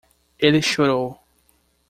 Ele chorou